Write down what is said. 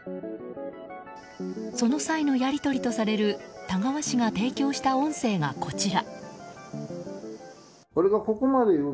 その際のやり取りとされる田川市が提供した音声がこちら。